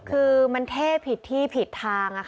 คือมันเทพีที่ผิดทาง